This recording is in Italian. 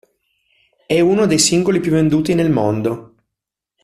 È uno dei singoli più venduti nel mondo.